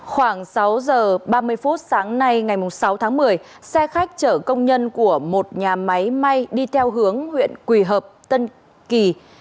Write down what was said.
khoảng sáu giờ ba mươi phút sáng nay ngày sáu tháng một mươi xe khách chở công nhân của một nhà máy may đi theo hướng huyện quỳ hợp tân kỳ